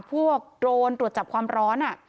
โดรนตรวจจับความร้อน